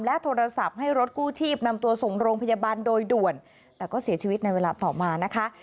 โทรศัพท์ให้รถกู้ชีพนำตัวส่งโรงพยาบาลโดยด่วนแต่ก็เสียชีวิตในเวลาต่อมานะคะ